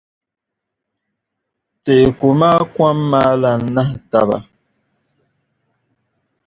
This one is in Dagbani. teeku maa kom maa lan nahi taba.